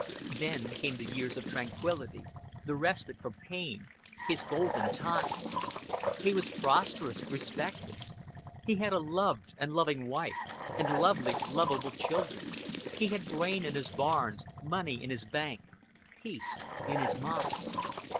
Then came the years of tranquillity, the respite from pain, his golden time. He was prosperous, respected; he had a loved and loving wife, and lovely lovable children; he had grain in his barns, money in his bank, peace in his mind.